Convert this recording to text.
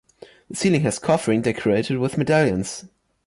The ceiling has coffering decorated with medallions.